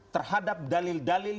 terhadap dalil dalil